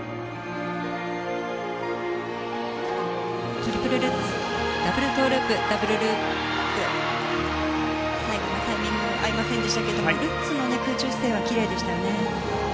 トリプルルッツダブルトウループダブルループ最後はタイミングが合いませんでしたがルッツの空中姿勢は奇麗でしたよね。